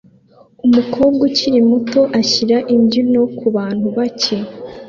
Umukobwa ukiri muto ashyira imbyino kubantu bake